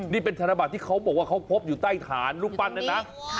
นี่เป็นธนบัตรที่เขาบอกว่าเขาพบอยู่ใต้ฐานรูปปั้นนั้นนะ